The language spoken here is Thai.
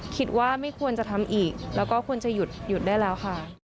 คิดว่าไม่ควรจะทำอีกแล้วก็ควรจะหยุดได้แล้วค่ะ